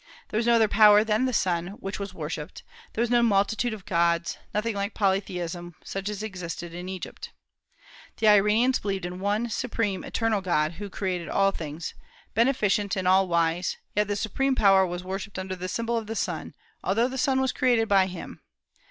There was no other power than the sun which was worshipped. There was no multitude of gods, nothing like polytheism, such as existed in Egypt. The Iranians believed in one supreme, eternal God, who created all things, beneficent and all wise; yet this supreme power was worshipped under the symbol of the sun, although the sun was created by him.